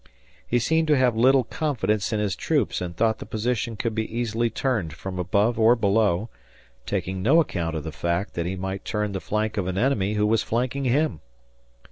He seemed to have little confidence in his troops and thought the position could be easily turned from above or below, taking no account of the fact that he might turn the flank of an enemy who was flanking him.